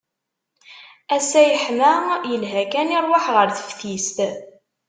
Ass-a yeḥma, yelha kan i rrwaḥ ɣer teftist.